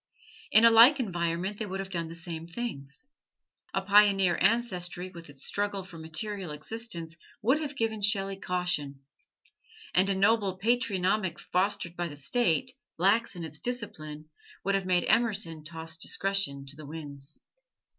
In a like environment they would have done the same things. A pioneer ancestry with its struggle for material existence would have given Shelley caution; and a noble patronymic, fostered by the State, lax in its discipline, would have made Emerson toss discretion to the winds.